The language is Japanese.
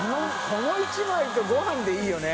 この１枚とご飯でいいよね